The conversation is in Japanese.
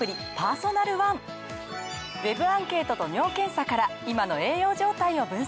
ＷＥＢアンケートと尿検査から今の栄養状態を分析！